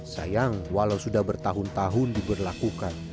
sayang walau sudah bertahun tahun diberlakukan